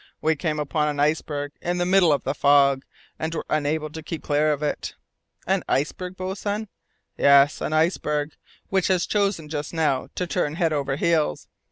"We came upon an iceberg in the middle of the fog, and were unable to keep clear of it." "An iceberg, boatswain?" "Yes, an iceberg, which has chosen just now to turn head over heels.